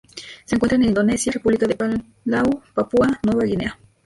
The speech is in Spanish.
Se encuentran en Indonesia, República de Palau, Papúa Nueva Guinea.